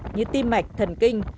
như tim mạch thần kinh